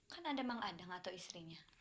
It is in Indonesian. kan ada mang adang atau istrinya